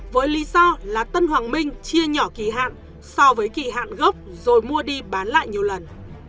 với lý do là tân hoàng minh chia nhỏ kỳ hạn so với kỳ hạn gốc rồi mua đi bán lại nhiều lần